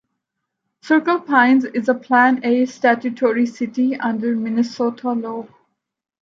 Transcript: Circle Pines is a Plan A statutory city under Minnesota law.